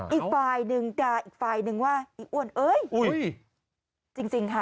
อีกฟายนึงด่าอีกฟายนึงว่าอีอ้วนเอ้ยจริงค่ะ